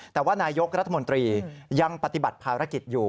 แต่ว่านายกรัฐมนตรียังปฏิบัติภารกิจอยู่